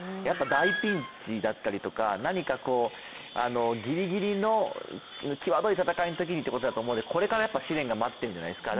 大ピンチだったりとか何かギリギリの際どい戦いのときにということだと思うのでこれから試練が待ってるんじゃないですか。